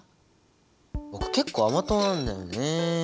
僕結構甘党なんだよね。